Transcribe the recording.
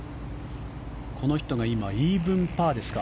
この人が今イーブンパーですか。